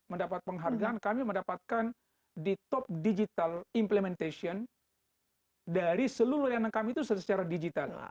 mendapat penghargaan kami mendapatkan di top digital implementation dari seluruh layanan kami itu secara digital